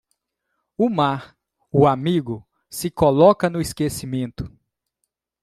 O mar, o amigo se coloca no esquecimento.